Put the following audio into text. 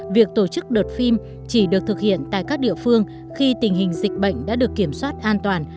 việc tổ chức đợt phim chỉ được thực hiện tại các địa phương khi tình hình dịch bệnh đã được kiểm soát an toàn